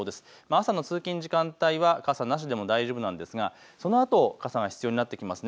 朝の通勤時間帯は傘なしでも大丈夫なんですがそのあと傘が必要になってきます。